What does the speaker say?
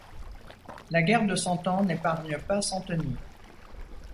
La guerre de cent ans n'épargne pas Santeny.